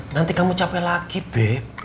nanti kamu capek lagi be